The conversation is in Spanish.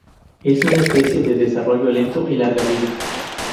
Es una especie de desarrollo lento y larga vida.